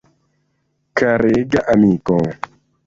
Karega amiko!